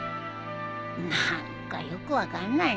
何かよく分かんないね。